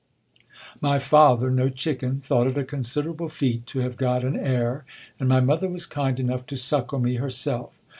My father, no chicken, thought it a considerable feat to have got an heir, and my mother was kind enough to suckle me herself.